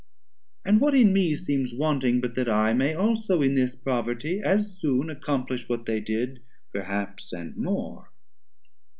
And what in me seems wanting, but that I 450 May also in this poverty as soon Accomplish what they did, perhaps and more?